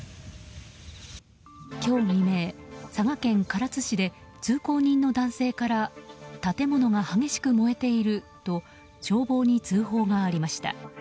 今日未明、佐賀県唐津市で通行人の男性から建物が激しく燃えていると消防に通報がありました。